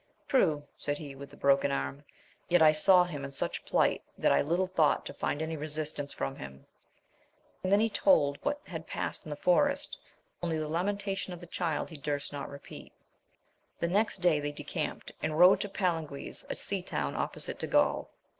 True, said he with the broken arm, yet I saw him in such plight that I little thought to find any resistance from him ! and then he told what had past in the forest, only the lamenta tion of the Child he durst not repeat. The next dl!ay they decamped, and rode to Palin gues, a sea town opposite to Gaul.